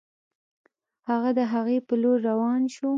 هغه د هغې په لور روان شو